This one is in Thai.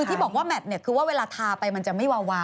ที่บอกว่าแมทเนี่ยคือว่าเวลาทาไปมันจะไม่วาวา